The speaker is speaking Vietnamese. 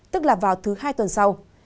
tức là vào thứ hai tuần sau